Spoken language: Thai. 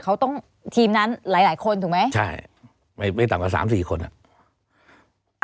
เขาต้องทีมนั้นหลายหลายคนถูกไหมใช่ไม่ไม่ต่ำกว่าสามสี่คนอ่ะ